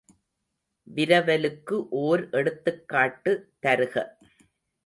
விரவலுக்கு ஒர் எடுத்துக்காட்டு தருக.